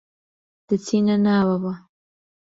دەچینە ناوەوە.